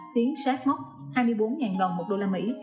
tiến sát mốc hai mươi bốn đồng một đô la mỹ